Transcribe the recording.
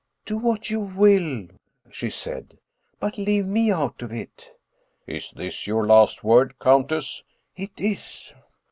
" Do what you will," she said, " but leave me out of it." " Is this your last word, countess ?"" It is."